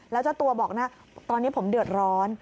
แล้วเจ้าตัวบอกนะตอนนี้ผมเดือดร้อน